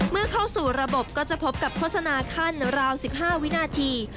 เมื่อเข้าสู่ระบบก็จะพบกับโฆษณาขั้นราว๑๕วินาที